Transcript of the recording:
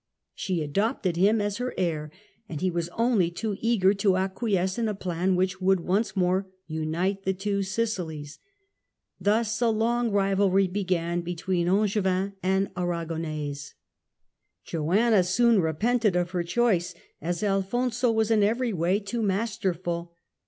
She adopted him as her heir, and Alfonso of he was only too eager to acquiesce in a plan which ™^°'^ would once more unite the two Sicihes. Thus a long rivalry began between Angevin and Aragonese. Joanna soon repented of her choice, as Alfonso was in every way too masterful.